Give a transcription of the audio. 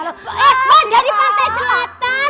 eh mbak dari pantai selatan